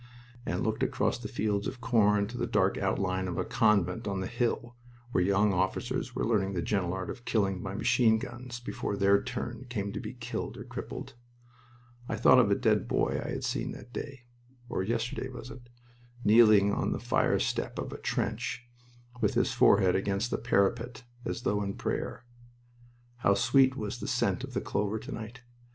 and looked across the fields of corn to the dark outline of a convent on the hill where young officers were learning the gentle art of killing by machine guns before their turn came to be killed or crippled. I thought of a dead boy I had seen that day or yesterday was it? kneeling on the fire step of a trench, with his forehead against the parapet as though in prayer... How sweet was the scent of the clover to night!